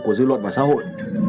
của dư luận và xã hội